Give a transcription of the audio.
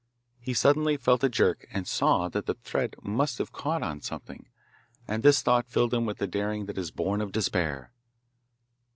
He suddenly felt a jerk, and saw that the thread must have caught on something, and this thought filled him with the daring that is born of despair.